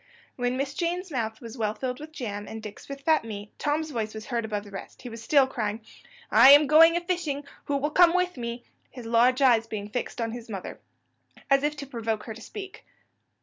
When Miss Jane's mouth was well filled with jam, and Dick's with fat meat, Tom's voice was heard above the rest; he was still crying, "I am going a fishing; who will come with me?" his large eyes being fixed on his mother, as if to provoke her to speak.